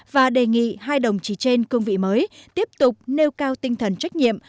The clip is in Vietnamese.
và đề nghị hai đồng chí trên cương vị mới tiếp tục nêu cao tinh thần trách nhiệm